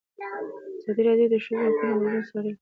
ازادي راډیو د د ښځو حقونه بدلونونه څارلي.